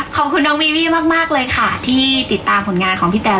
ขอบคุณน้องวีวี่มากเลยค่ะที่ติดตามผลงานของพี่แตน